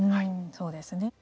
そうですね。